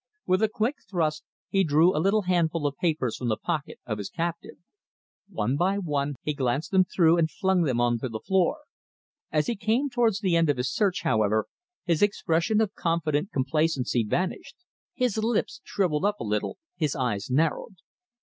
With a quick thrust he drew a little handful of papers from the pocket of his captive. One by one he glanced them through and flung them on to the floor. As he came towards the end of his search, however, his expression of confident complacency vanished. His lips shrivelled up a little, his eyes narrowed.